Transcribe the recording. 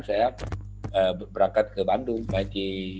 saya berangkat ke bandung